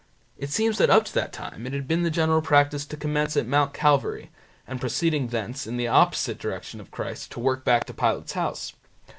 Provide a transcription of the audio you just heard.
It seems that up to that time it had been the general practice to commence at Mount Calvary, and proceeding thence, in the opposite direction to Christ, to work back to Pilate's house.